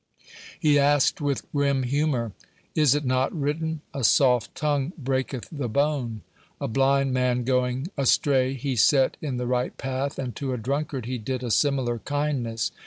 He asked with grim humor: "Is it not written, 'A soft tongue breaketh the bone?'" A blind man going astray he set in the right path, and to a drunkard he did a similar kindness.